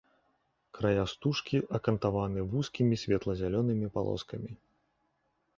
Края стужкі акантаваны вузкімі светла-зялёнымі палоскамі.